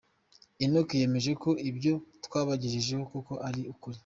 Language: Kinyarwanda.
Enock yemeje ko ibyo twabagejejeho koko ari ukuri.